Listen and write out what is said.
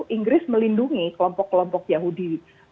inggris melindungi kelompok kelompok yahudi